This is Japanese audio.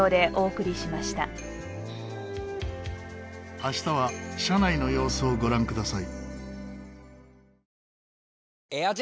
明日は車内の様子をご覧ください。